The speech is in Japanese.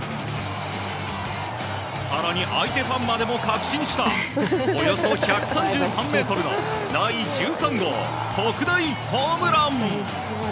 更に、相手ファンまでも確信したおよそ１３３ｍの第１３号特大ホームラン！